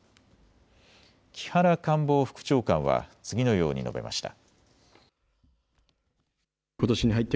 木原官房副長官は次のように述べました。